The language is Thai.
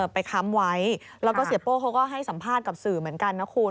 ค้ำไว้แล้วก็เสียโป้เขาก็ให้สัมภาษณ์กับสื่อเหมือนกันนะคุณ